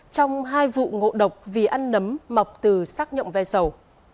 trong hai vụ ngộ độc vì ăn nấm mọc từ sắc nhộng ve sầu